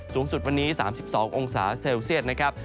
สูงสุดวันนี้๓๒องศาเซลเซียตนะครับ